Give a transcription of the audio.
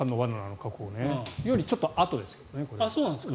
それよりちょっとあとですけどね。